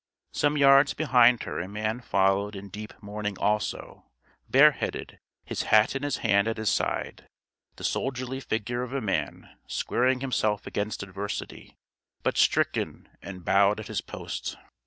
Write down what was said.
Some yards behind her a man followed in deep mourning also, bareheaded, his hat in his hand at his side the soldierly figure of a man squaring himself against adversity, but stricken and bowed at his post.